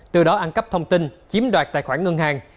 từ đó ăn cắp thông tin chiếm đoạt tài khoản ngân hàng